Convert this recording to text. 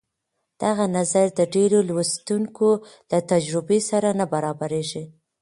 دغه نظر د ډېرو لوستونکو له تجربې سره نه برابرېږي.